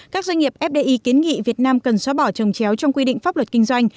các doanh nghiệp fdi kiến nghị việt nam cần xóa bỏ trồng chéo trong quy định pháp luật kinh doanh